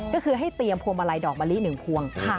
ก็คือให้เตรียมภัวมาลัยดอกบะลิหนึ่งพวง